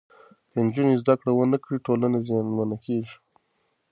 که نجونې زدهکړه ونکړي، ټولنه زیانمنه کېږي.